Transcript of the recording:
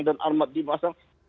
dan armat dimasang